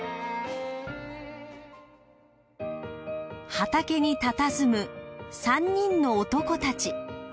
畑にたたずむ３人の男たち。